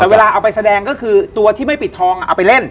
แต่เวลาเอาไปแสดงก็คือตัวที่ไม่ปิดทองเอาไปเล่น